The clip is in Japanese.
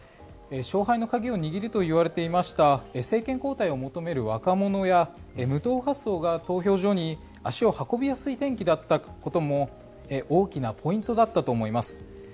勝敗の鍵を握るといわれていました政権交代を求める若者や無党派層が投票所に足を運びやすい天気だったことも大きなポイントだったと思います。